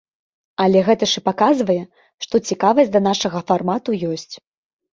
Але гэта ж і паказвае, што цікавасць да нашага фармату ёсць.